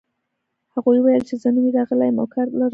هغې وویل چې زه نوی راغلې یم او کار لرم